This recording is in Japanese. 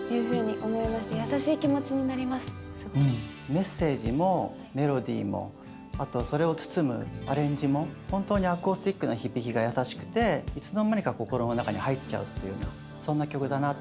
メッセージもメロディーもあとそれを包むアレンジも本当にアコースティックな響きが優しくていつの間にか心の中に入っちゃうっていうようなそんな曲だなって感じます。